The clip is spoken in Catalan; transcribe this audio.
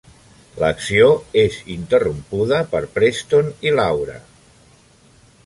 L'acció és interrompuda per Preston i Laura.